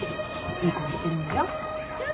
いい子にしてるんだよ。